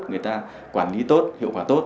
người ta quản lý tốt hiệu quả tốt